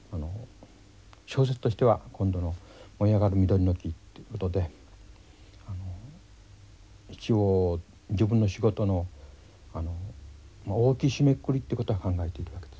小説としては今度の「燃えあがる緑の木」ってことで一応自分の仕事の大きい締めくくりってことは考えているわけです。